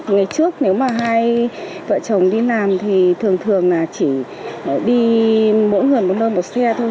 ngày trước nếu mà hai vợ chồng đi làm thì thường thường là chỉ đi mỗi người một nôn một xe thôi